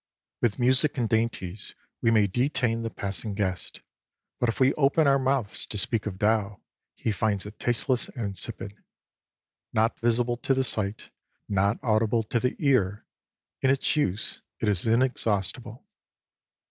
21 With music and dainties we may detain the passing guest. But if we open our mouths to speak of Tao, he finds it tasteless and insipid. Not visible to the sight, not audible to the ear, in its use it is inexhaustible.